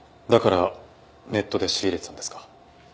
だからネットで仕入れてたんですか？